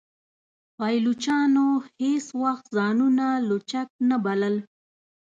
پایلوچانو هیڅ وخت ځانونه لوچک نه بلل.